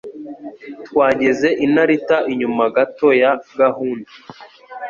Twageze i Narita inyuma gato ya gahunda.